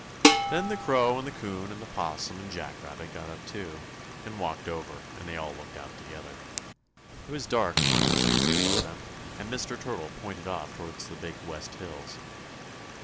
Then the Crow and the 'Coon and the 'Possum and Jack Rabbit got up, too, and walked over, and they all looked out together. It was dark among the trees below them, and Mr. Turtle pointed off toward the Big West Hills.